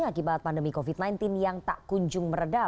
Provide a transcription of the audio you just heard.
akibat pandemi covid sembilan belas yang tak kunjung meredah